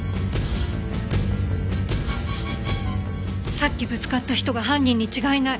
さっきぶつかった人が犯人に違いない。